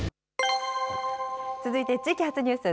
続いて地域発ニュース。